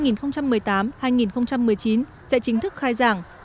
năm học hai nghìn một mươi chín sẽ chính thức khai giảng